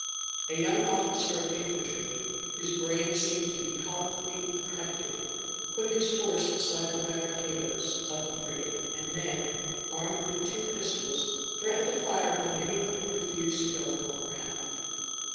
A young officer of infantry, whose brain seemed to be powerfully affected, put his horse beside the barricadoes of the frigate, and then, armed with two pistols, threatened to fire upon any one who refused to go upon the raft.